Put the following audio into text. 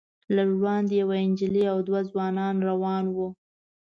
لږ وړاندې یوه نجلۍ او دوه ځوانان روان وو.